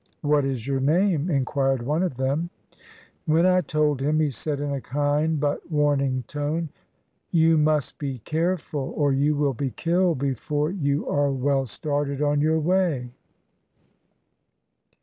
"What is your name?" inquired one of them. When I told him, he said in a kind but warning tone, — "You must be careful or you will be killed before you are well started on your way."